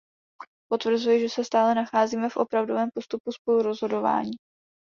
Potvrzuji, že se stále nacházíme v opravdovém postupu spolurozhodování.